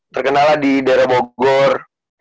terkenal lah di daerah bogor